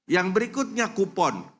yang berikutnya kupon